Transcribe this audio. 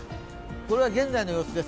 これは現在の様子です